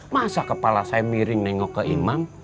masa kepala saya miring nengok ke iman